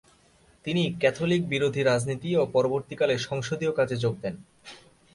তিনি ক্যাথলিক-বিরোধী রাজনীতি ও পরবর্তীকালে সংসদীয় কাজে যোগ দেন।